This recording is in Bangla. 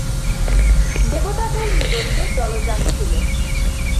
দেবতাদের নিজস্ব জলযান ছিল।